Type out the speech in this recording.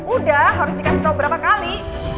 udah harus dikasih tahu berapa kali